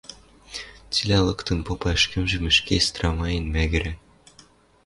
цилӓ лыктын попа, ӹшкӹмжӹм ӹшке страмаен мӓгӹрӓ.